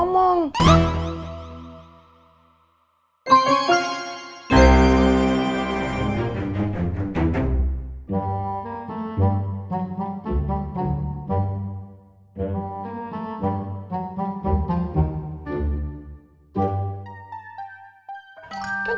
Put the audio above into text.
sikmat yang dikira